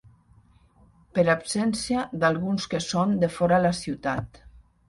Per absència d'alguns que són defora la ciutat.